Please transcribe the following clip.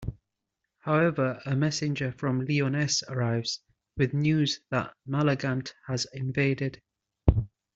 However, a messenger from Lyonesse arrives, with news that Malagant has invaded.